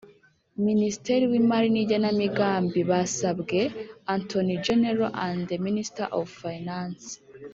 Minisitiri w Imari n Igenamigambi basabwe Attorney General and the Minister of Finance